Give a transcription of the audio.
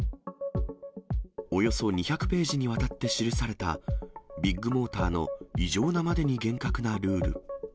およそ２００ページにわたって記された、ビッグモーターの異常なまでに厳格なルール。